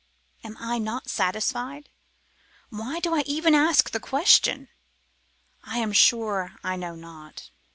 Am I not satisfied? Why do I even ask the question? I am sure I know not.